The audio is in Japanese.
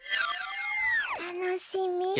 たのしみ。ね！